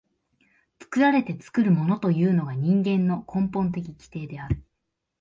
作られて作るものというのが人間の根本的規定である。